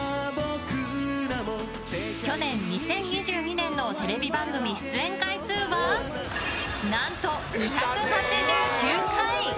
去年２０２２年のテレビ番組出演回数は何と２８９回！